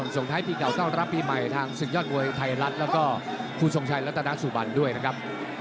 ส่งท้ายปีเก่าต้อนรับปีใหม่ทางศึกยอดมวยไทยรัฐแล้วก็คุณทรงชัยรัตนาสุบันด้วยนะครับ